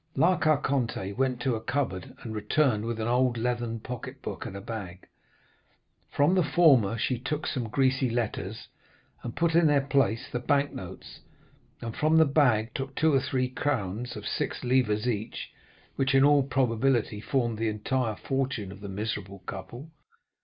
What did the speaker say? "La Carconte went to a cupboard, and returned with an old leathern pocket book and a bag. From the former she took some greasy letters, and put in their place the bank notes, and from the bag took two or three crowns of six livres each, which, in all probability, formed the entire fortune of the miserable couple.